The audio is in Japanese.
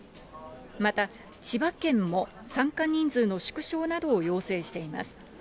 また千葉県も参加人数の縮小などを要請しています。